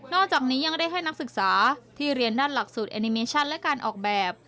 อกจากนี้ยังได้ให้นักศึกษาที่เรียนด้านหลักสูตรแอนิเมชั่นและการออกแบบ